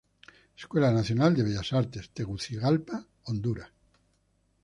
Escuela Nacional de Bellas Artes, Tegucigalpa, Honduras.